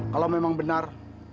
kalau memang benar